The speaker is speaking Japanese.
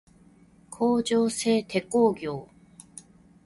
工場制手工業